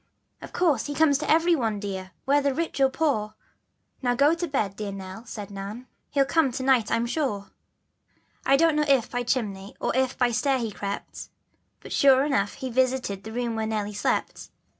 " "Of course he comes to every one, dear, whether rich or poor; Now go to bed dear Nell," said Nan, "he'll come to night I'm sure." 1 don't know if by chimney or if by stair he crept, But sure enough he visited the room where Nelly slept.